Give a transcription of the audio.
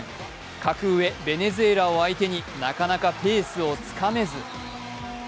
格上ベネズエラを相手になかなかペースをつかめず。